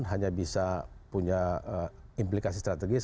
hanya bisa punya implikasi strategis